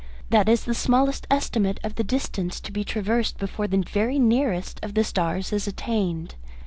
That is the smallest estimate of the distance to be traversed before the very nearest of the stars is attained.